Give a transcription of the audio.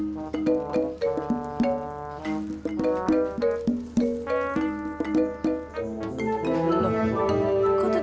loh kok tong sampah jalan sendiri